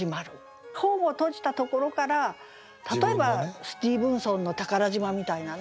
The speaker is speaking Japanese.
本を閉じたところから例えばスティーブンソンの「宝島」みたいなね